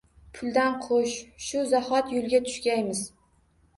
Puldan qo’sh, shu zahot yo’lga tushgaymiz.